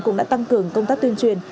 cũng đã tăng cường công tác tuyên truyền